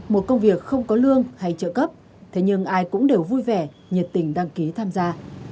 một công việc không có lương hay trợ cấp thế nhưng ai cũng đều vui vẻ nhiệt tình đăng ký tham gia